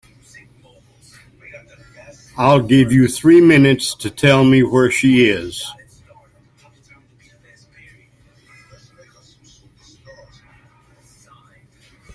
I'll give you three minutes to tell me where she is.